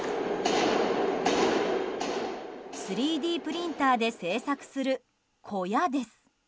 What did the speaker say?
３Ｄプリンターで製作する小屋です。